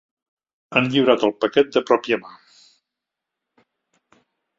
Han lliurat el paquet de pròpia mà.